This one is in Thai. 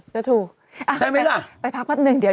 จะถูกใช่ไหมล่ะไปพักแป๊บหนึ่งเดี๋ยว